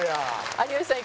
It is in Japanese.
有吉さん